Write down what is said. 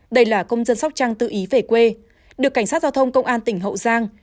đây là công dân sóc trăng tự ý về quê được cảnh sát giao thông công an tỉnh hậu giang